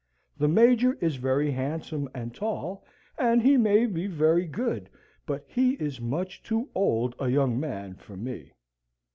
The Major is very handsome and tall, and he may be very good, but he is much too old a young man for me.